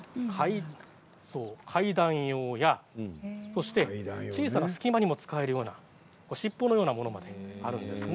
階段用ですとか小さな隙間にも使えるような尻尾のようなものまであります。